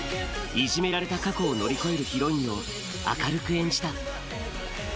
いじめられた過去を乗り越えるヒロインを明るく演じた。